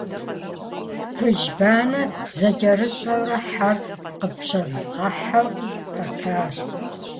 - Пыжь банэм зыкӏэрысщӏэурэ, хьэр къыпщӏэзгъэхьэ пэтащ.